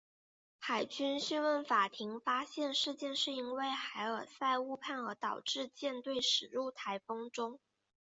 海军讯问法庭发现事件是因为海尔赛误判而导致舰队驶进台风中。